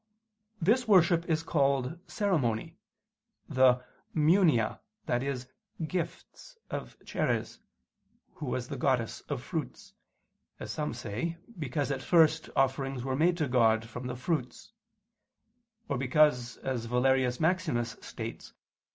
This worship is called "ceremony," the munia, i.e. gifts, of Ceres (who was the goddess of fruits), as some say: because, at first, offerings were made to God from the fruits: or because, as Valerius Maximus states [*Fact.